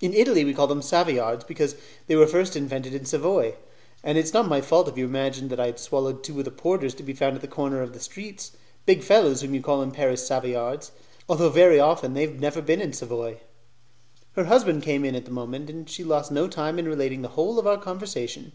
"In Italy, we call them 'Savoyards' because they were first invented in Savoy; and it is not my fault if you imagined that I had swallowed two of the porters to be found at the corner of the streets big fellows whom you call in Paris Savoyards, although very often they have never been in Savoy." Her husband came in at that moment, and she lost no time in relating the whole of our conversation.